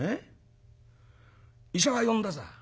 医者は呼んださ。